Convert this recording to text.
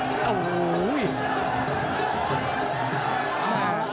อ้าวเดี๋ยวดูยก๓นะครับ